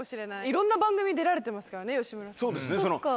いろんな番組出られてますからね吉村さん。